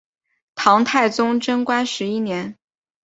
唐太宗贞观十一年。